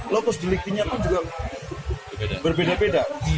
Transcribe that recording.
lotus deliktinya kan juga berbeda beda